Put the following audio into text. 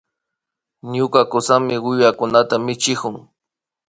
Ñuka kusami wiwakunata michikun